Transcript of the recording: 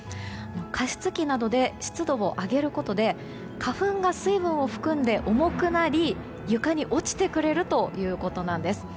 加湿器などで湿度を上げることで花粉が水分を含んで重くなり床に落ちてくれるということです。